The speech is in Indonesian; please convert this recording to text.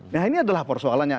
nah ini adalah persoalannya